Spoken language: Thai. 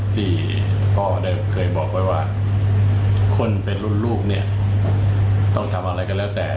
ที่พ่อได้เคยบอกไว้ว่าคนเป็นรุ่นลูกเนี่ยต้องทำอะไรก็แล้วแต่